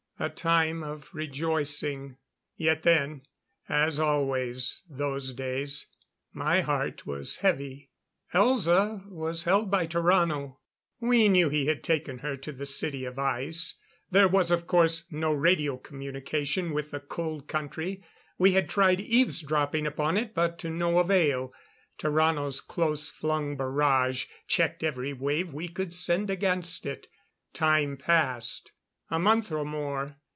A time of rejoicing. Yet then as always those days my heart was heavy. Elza was held by Tarrano. We knew he had taken her to the City of Ice. There was of course, no radio communication with the Cold Country. We had tried eavesdropping upon it, but to no avail. Tarrano's close flung barrage checked every wave we could send against it. Time passed a month or more.